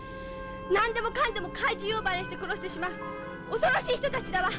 何でもかんでも怪獣呼ばわりして殺してしまう恐ろしい人たちだわ。